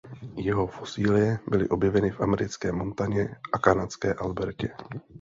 Jeho fosilie byly objeveny v americké Montaně a kanadské Albertě.